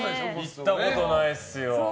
行ったことないです。